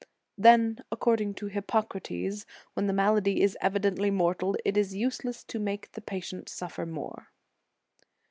Then, according to Hippocrates, when the malady is evidently mortal, it is useless to make the patient suffer more.